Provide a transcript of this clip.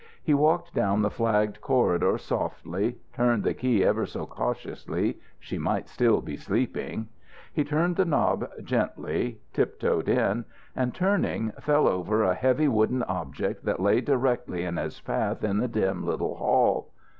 He walked down the flagged corridor softly; turned the key ever so cautiously. She might still be sleeping. He turned the knob, gently; tiptoed in and, turning, fell over a heavy wooden object that lay directly in his path in the dim little hall.